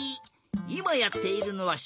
いまやっているのはしゅわ。